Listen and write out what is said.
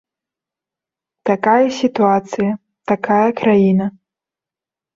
Такая сітуацыя, такая краіна.